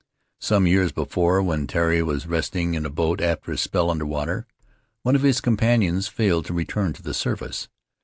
Some years before, when Tari was resting in a boat after a spell under water, one of his companions failed to return to the surface.